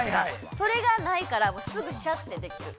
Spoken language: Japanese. それがないから、すぐシャッてできる。